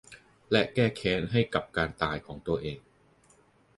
และแก้แค้นให้กับการตายของตัวเอง